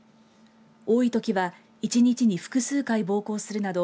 多いときは１日に複数回、暴行するなど